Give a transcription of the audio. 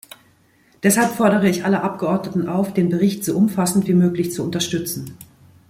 Deshalb fordere ich alle Abgeordneten auf, den Bericht so umfassend wie möglich zu unterstützen.